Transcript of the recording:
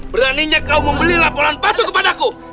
beraninya kau membeli laporan palsu kepadaku